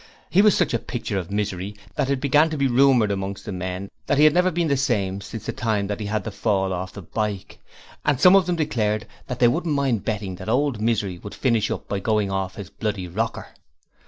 He was such a picture of misery, that it began to be rumoured amongst the men, that he had never been the same since the time he had that fall off the bike; and some of them declared, that they wouldn't mind betting that ole Misery would finish up by going off his bloody rocker.